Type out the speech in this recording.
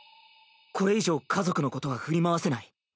これ以上家族のことは振り回せない。